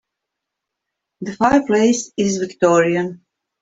This fireplace is victorian.